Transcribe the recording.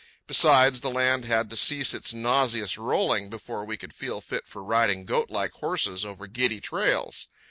Besides, the land had to cease its nauseous rolling before we could feel fit for riding goat like horses over giddy trails.